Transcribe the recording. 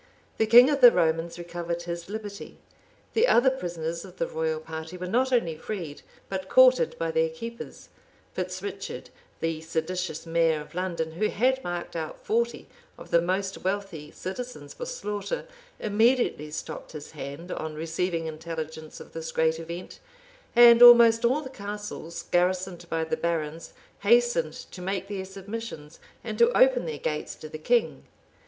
The king of the Romans recovered his liberty: the other prisoners of the royal party were not only freed, but courted by their keepers; Fitz Richard, the seditious mayor of London, who had marked out forty of the most wealthy citizens for slaughter, immediately stopped his hand on receiving intelligence of this great event; and almost all the castles, garrisoned by the barons, hastened to make their submissions, and to open their gates to the king.